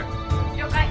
「了解」。